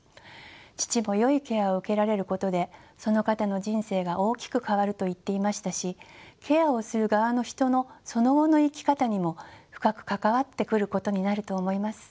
父もよいケアを受けられることでその方の人生が大きく変わると言っていましたしケアをする側の人のその後の生き方にも深く関わってくることになると思います。